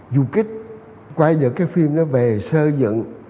dù kích quay được cái phim đó về sơ dựng